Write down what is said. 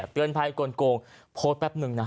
เตือนภัยกลงโพสต์แป๊บนึงนะ